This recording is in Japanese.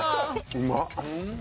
うまっ！